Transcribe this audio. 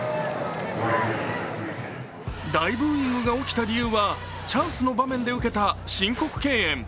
大ブーイングが起きた理由は、チャンスの場面で受けた申告敬遠。